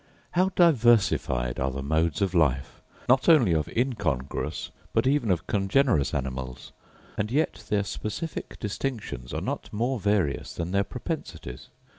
How diversified are the modes of life not only of incongruous but even of congenerous animals; and yet their specific distinctions are not more various than their propensities.